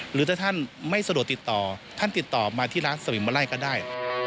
หรือถ้าท่านไม่สะดวกติดต่อท่านติดต่อมาที่ร้านสวิมลัยก็ได้